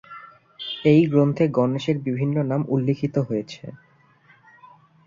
এই গ্রন্থে গণেশের বিভিন্ন নাম উল্লিখিত হয়েছে।